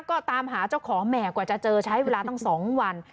ก็ตามหาเจ้าของแหม่กว่าจะเจอใช้เวลาตั้ง๒วัน